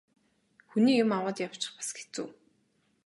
Хүний юм аваад явчих бас хэцүү.